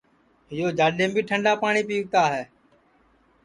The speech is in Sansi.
یو جاڈؔیم بی ٹھنٚڈا پاٹؔی پیوتا ہے